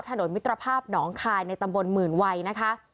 มิตรภาพหนองคายในตำบลหมื่นวัยนะคะ